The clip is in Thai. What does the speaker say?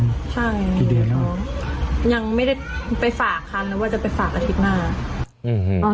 อ๋อยังไม่ได้ไปฝากคำว่าจะไปฝากอาทิตย์หน้า